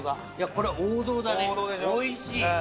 これ王道だねおいしい。